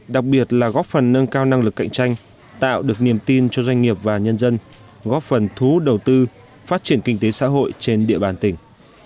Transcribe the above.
đặc biệt là góp phần nâng cao năng lực cạnh tranh tạo được niềm tin cho doanh nghiệp và nhân dân góp phần thu hút đầu tư phát triển kinh tế xã hội trên địa bàn tỉnh